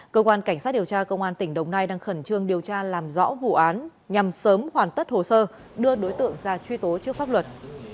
cơ quan cảnh sát điều tra công an tỉnh đồng nai đang khẩn trương điều tra làm rõ vụ án nhằm sớm hoàn tất hồ sơ đưa đối tượng ra truy tố trước pháp luật